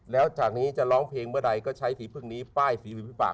แล้วจากนี้จะร้องเพลงเมื่อใดก็ใช้สีพึ่งนี้ป้ายฝีมือพี่ปะ